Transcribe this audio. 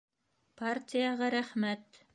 Партияға рәхмәт.